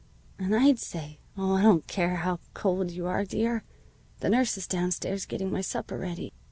"And I'd say, 'Oh, I don't care how cold you are, dear. The nurse is downstairs, getting my supper ready.'